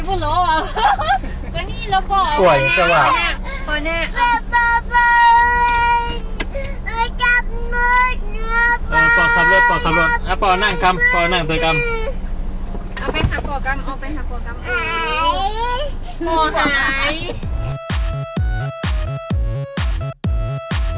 ป่อกินรถไปพุนร้อหว่ะ